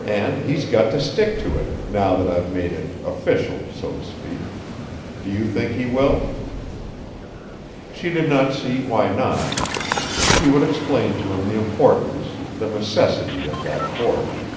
And he's got to stick to it, now that I've made it 'official,' so to speak. Do you think he will?" She did not see why not. She would explain to him the importance, the necessity, of that course.